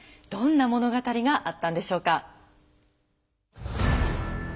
どんな物語があったんでしょうか。